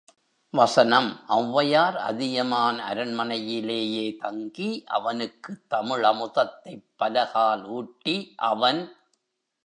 வசனம் ஒளவையார் அதியமான் அரண்மனையிலேயே தங்கி, அவனுக்குத் தமிழமுதத்தைப் பலகால் ஊட்டி அவன்.